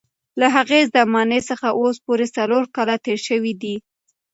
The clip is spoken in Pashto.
له هغې زمانې څخه اوس پوره څلور کاله تېر شوي دي.